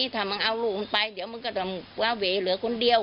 ถ้ามันเอาลูกมันไปเดี๋ยวมันก็จะเหลือคนเดียว